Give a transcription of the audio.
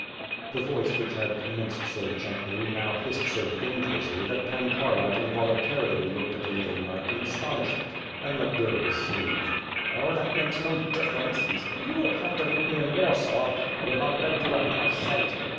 The voice which had commenced so gently now hissed so dangerously that Pan Kharlamp involuntarily looked at the little knight in astonishment and let go his sleeve. "Oh, that makes no difference," he said, "you will have . to meet me in Warsaw. I will not let you out of my sight."